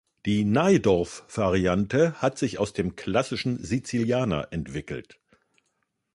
Die Najdorf-Variante hat sich aus dem „klassischen Sizilianer“ entwickelt.